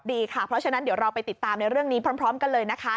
ดีค่ะเพราะฉะนั้นเดี๋ยวเราไปติดตามในเรื่องนี้พร้อมกันเลยนะคะ